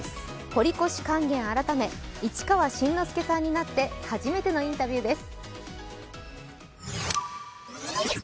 堀越勸玄改め、市川新之助さんになって初めてのインタビューです。